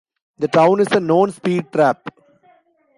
The town is a known speed trap.